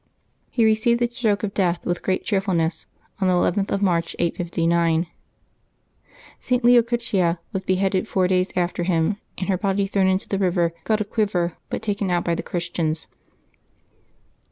He received the stroke of death with great cheerfulness, on the 11th of March, 859. St. Leocritia was beheaded four days after him, and her body thrown into the river Guadalquivir, but taken out by the Christians.